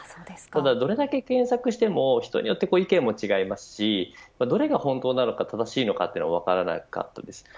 ただ、どれだけ検索をしても人によっても意見が違いどれが本当なのか正しいのかが分かりません。